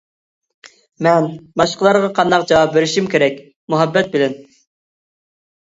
مەن باشقىلارغا قانداق جاۋاب بېرىشىم كېرەك؟ مۇھەببەت بىلەن.